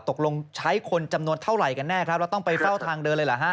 ตกลงใช้คนจำนวนเท่าไหร่กันแน่ครับแล้วต้องไปเฝ้าทางเดินเลยเหรอฮะ